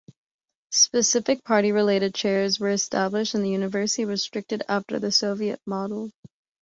Specific party-related chairs were established and the university was restricted after the Soviet model.